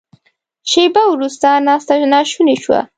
شیبه وروسته ناسته ناشونې شوه.